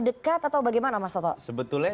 dekat atau bagaimana mas toto sebetulnya